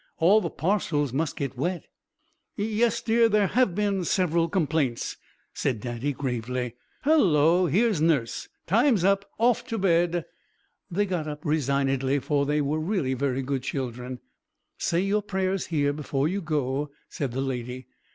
All the parcels must get wet." "Yes, dear, there have been several complaints," said Daddy, gravely. "Halloa, here's nurse! Time's up! Off to bed!" They got up resignedly, for they were really very good children. "Say your prayers here before you go," said the Lady.